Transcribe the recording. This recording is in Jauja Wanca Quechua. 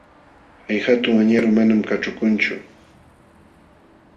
Hay hatun añaru manam kaćhukunchu.